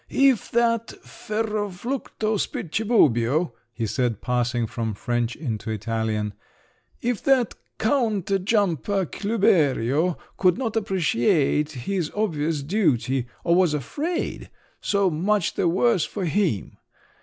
"If that ferroflucto spitchebubbio," he said, passing from French into Italian, "if that counter jumper Klüberio could not appreciate his obvious duty or was afraid, so much the worse for him!